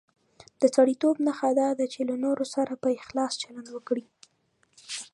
د سړیتوب نښه دا ده چې له نورو سره په اخلاص چلند وکړي.